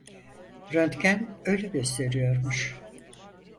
Röntgen öyle gösteriyormuş.